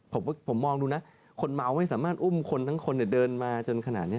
ผมมองดูนะคนเมาไม่สามารถอุ้มคนทั้งคนเดินมาจนขนาดนี้